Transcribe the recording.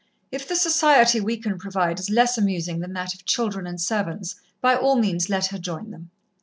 "If the society we can provide is less amusing than that of children and servants, by all means let her join them."